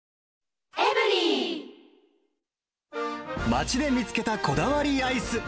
町で見つけたこだわりアイス。